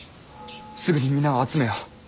すぐに皆を集めよ。